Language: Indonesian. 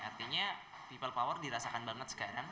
artinya people power dirasakan banget sekarang